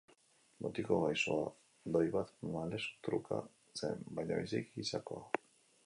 Mutiko gaizoa doi bat malestruka zen, baina biziki gisakoa.